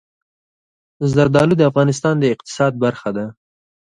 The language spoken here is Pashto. زردالو د افغانستان د اقتصاد برخه ده.